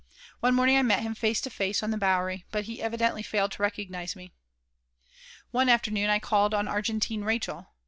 One morning I met him, face to face, on the Bowery, but he evidently failed to recognize me One afternoon I called on Argentine Rachael.